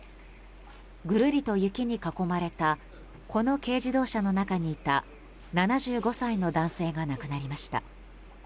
ぐるりと雪に囲まれたこの軽自動車の中にいた７５歳の男性が亡くなりました。